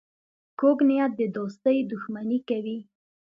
کوږ نیت د دوستۍ دښمني کوي